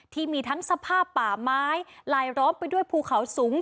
ที่มีทั้งสภาพป่าไม้ลายล้อมไปด้วยภูเขาสูง